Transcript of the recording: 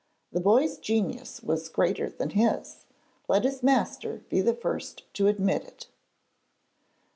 The boy's genius was greater than his: let his master be the first to admit it.